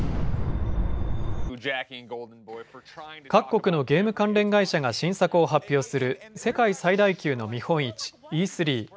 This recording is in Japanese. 各国のゲーム関連会社が新作を発表する世界最大級の見本市、Ｅ３。